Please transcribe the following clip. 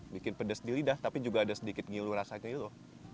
bikin pedas di lidah tapi juga ada sedikit ngilu rasanya gitu